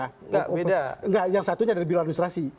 tidak yang satunya dari biro administrasi